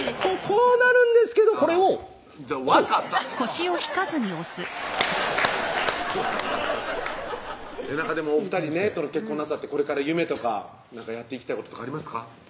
こうなるんですけどこれをこう分かったってお２人ね結婚なさってこれから夢とかやっていきたいこととかありますか？